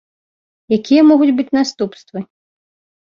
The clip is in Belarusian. Якія могуць быць наступствы?